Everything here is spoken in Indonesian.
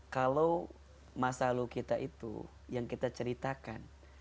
kalau masa lalu kita itu yang kita ceritakan